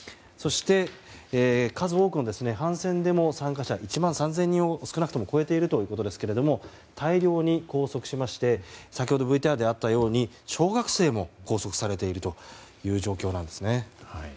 そして数多くの反戦デモ参加者１万３０００人を少なくとも超えているということですが大量に拘束しまして先ほどＶＴＲであったように小学生も拘束されているという状況なんですね。